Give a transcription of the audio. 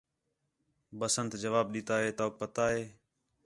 بسنت جواب ݙِتّا ہِے توک پتا ہِے